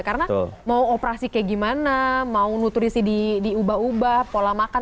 karena mau operasi kayak gimana mau nutrisi diubah ubah pola makan